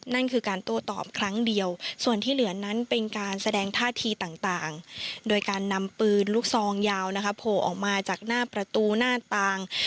นั่นคือการโต้ตอบครั้งเดียวส่วนที่เหลือนั้นเป็นการแสดงท่าทีต่างโดยการนำปืนลูกซองยาวนะคะโผล่ออกมาจากหน้าประตูหน้าต่าง